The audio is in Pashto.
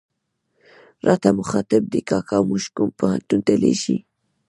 راته مخاطب دي، کاکا موږ کوم پوهنتون ته لېږې.